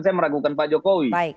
saya meragukan pak jokowi